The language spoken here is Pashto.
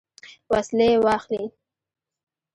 وسلې واخلي.